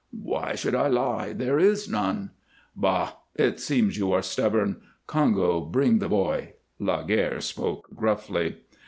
"Why should I lie? There is none." "Bah! It seems you are stubborn. Congo, bring the boy!" Laguerre spoke gruffly.